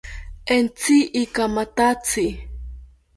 Entzi ikamathatzi